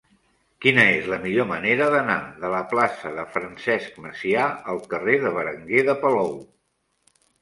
Quina és la millor manera d'anar de la plaça de Francesc Macià al carrer de Berenguer de Palou?